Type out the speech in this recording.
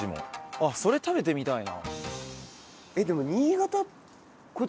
あっそれ食べてみたいな。